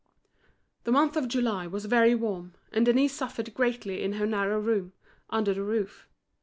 The month of July was very warm, and Denise suffered greatly in her narrow room, under the roof.